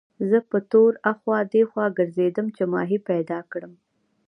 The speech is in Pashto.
زه په تور اخوا دېخوا ګرځېدم چې ماهي پیدا کړم.